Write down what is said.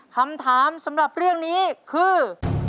คำถามสำหรับเรื่องนี้คือ